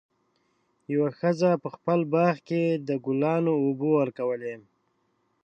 یوه ښځه په خپل باغ کې د ګلانو اوبه ورکولې.